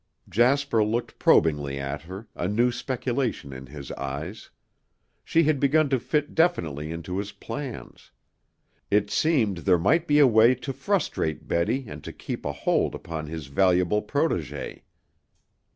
Jasper looked probingly at her, a new speculation in his eyes. She had begun to fit definitely into his plans. It seemed there might be a way to frustrate Betty and to keep a hold upon his valuable protégée.